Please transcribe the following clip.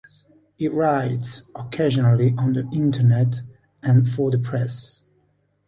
He writes occasionally on the internet and for the press.